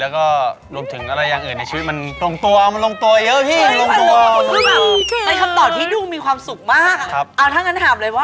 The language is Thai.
แล้วก็รวมถึงอะไรอย่างอื่นในชิวิตมันลงตัวเยอะหิ้น